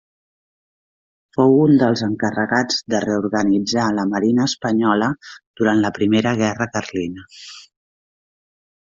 Fou un dels encarregats de reorganitzar la marina espanyola durant la Primera Guerra Carlina.